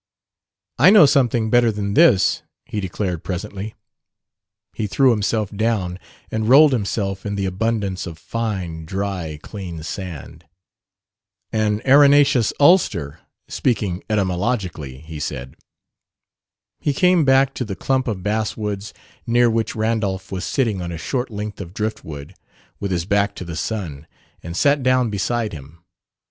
"I know something better than this," he declared presently. He threw himself down and rolled himself in the abundance of fine, dry, clean sand. "An arenaceous ulster speaking etymologically," he said. He came back to the clump of basswoods near which Randolph was sitting on a short length of drift wood, with his back to the sun, and sat down beside him.